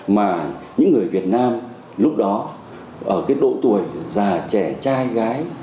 mà những người việt nam lúc đó ở cái độ tuổi già trẻ trai gái